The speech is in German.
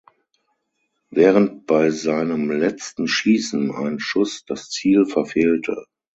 Während bei seinem letzten Schießen ein Schuss das Ziel verfehlte.